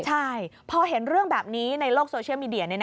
ใช่พอเห็นเรื่องแบบนี้ในโลกโซเชียลมีเดีย